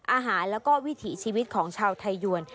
อาหารแล้วก็วิถีชีวิตของชาวไทยยวน